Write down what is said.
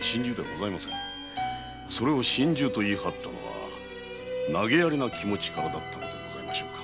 それを心中と言い張ったのは投げやりな気持ちからだったのでございましょうか？